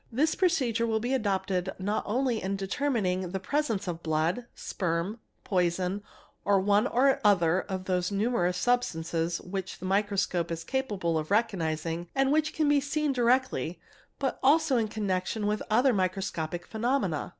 zm J This procedure will be adopted not only in determining the presence of blood, sperm, poison, or one or other of those numerous substances which the microscope is capable of recognizing and which can be seen directly, but also in connection with other microscopic phenomena.